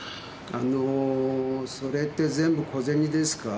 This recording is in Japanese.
あのーそれって全部小銭ですか？